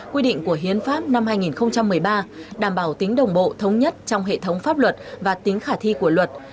quy định của hiến pháp năm hai nghìn một mươi ba đảm bảo tính đồng bộ thống nhất trong hệ thống pháp luật và tính khả thi của luật